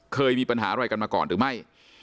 เคยมีปัญหาอะไรกันมาก่อนหรือไม่